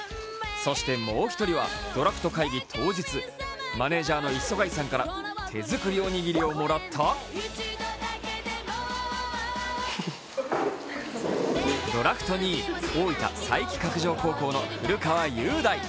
そしてもう一人はドラフト会議当日、マネージャーの磯貝さんから手作りおにぎりをもらったドラフト２位、大分・佐伯鶴城高校の古川雄大。